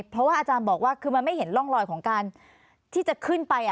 เพราะว่าอาจารย์บอกว่าคือมันไม่เห็นร่องรอยของการที่จะขึ้นไป